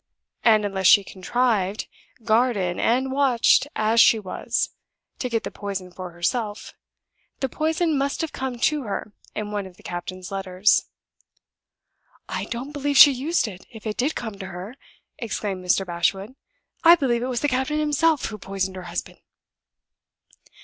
And unless she contrived, guarded and watched as she was, to get the poison for herself, the poison must have come to her in one of the captain's letters." "I don't believe she used it, if it did come to her!" exclaimed Mr. Bashwood. "I believe it was the captain himself who poisoned her husband!"